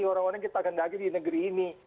orang orang yang kita gendagi di negeri ini